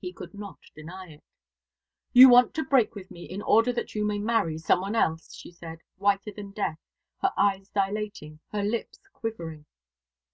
He could not deny it. "You want to break with me, in order that you may marry some one else," she said, whiter than death, her eyes dilating, her lips quivering.